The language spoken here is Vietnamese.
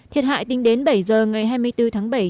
thiệt hại tính đến bảy giờ ngày hai mươi bốn tháng bảy